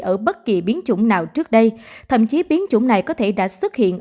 ở bất kỳ biến chủng nào trước đây thậm chí biến chủng này có thể đã xuất hiện